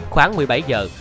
khoảng một mươi bảy giờ